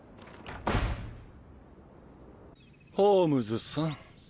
ホームズさん。